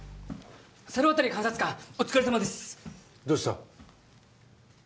猿渡監察官お疲れさまですどうした？